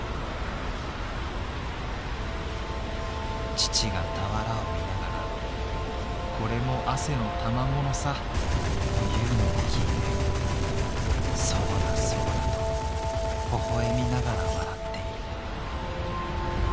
「父が俵を見ながら『これも汗の玉物さ！』とゆうのを聞いて『そうだそうだ』とほほゑみながら笑って居る」。